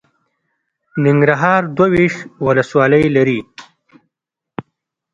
ننګرهار دوه ویشت ولسوالۍ لري.